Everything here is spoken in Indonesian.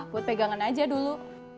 buat pegangan aja dulu